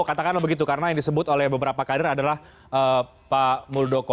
katakanlah begitu karena yang disebut oleh beberapa kader adalah pak muldoko